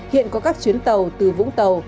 hiện có các chuyến tàu từ vũng tàu